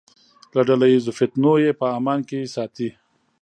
له ډله ییزو فتنو یې په امان کې ساتي.